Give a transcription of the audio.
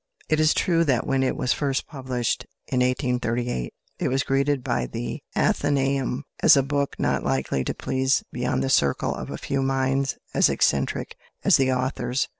It is true that when it was first published, in 1838, it was greeted by the Athenaeum as "a book not likely to please beyond the circle of a few minds as eccentric as the author's."